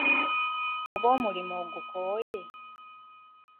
Oba omulimu ogukooye?